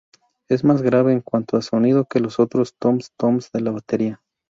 Es más grave en cuanto a sonido que los otros tom-toms de la batería.